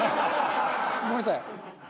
ごめんなさい。